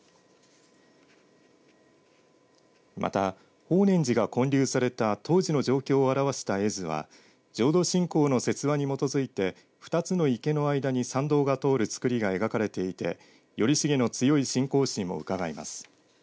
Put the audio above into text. また法然寺が建立された当時の状況を表した絵図は浄土信仰の説話に基づいて２つの池の間に参道が通るつくりが描かれていて頼重の強い信仰心もうかがえます。